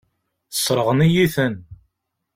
Sseṛɣen-iyi-ten.